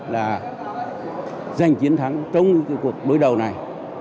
là giành chiến thắng trong cái cuộc đối đầu này